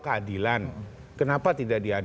keadilan kenapa tidak diadilkan